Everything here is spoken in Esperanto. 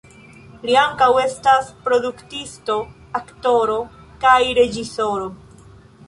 Li ankaŭ estas produktisto, aktoro, kaj reĝisoro.